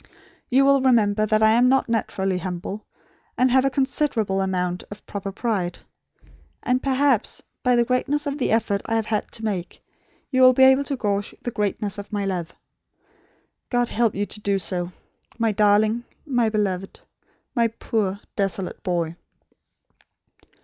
You will remember that I am not naturally humble; and have a considerable amount of proper pride; and, perhaps, by the greatness of the effort I have had to make, you will be able to gauge the greatness of my love. God help you to do so my darling; my beloved; my poor desolate boy!"